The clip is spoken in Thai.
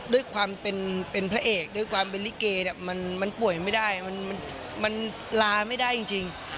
ด้วยความเป็นพระเอกด้วยความเป็นลิเกมันป่วยไม่ได้มันลาไม่ได้จริง